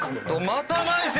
またまい泉！